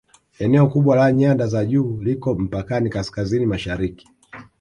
Eneo kubwa la nyanda za juu liko mpakani Kaskazini Mashariki